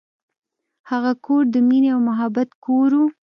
هغه کور د مینې او محبت کور و.